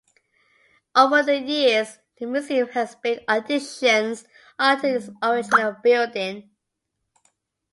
Over the years, the museum has built additions onto its original building.